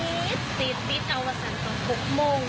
โลดก็ตี๊ดตี๊ดเอาว่าสันต่อ๖โมง